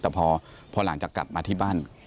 แต่พอหลังจากกลับมาที่บ้าน